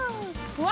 うわ！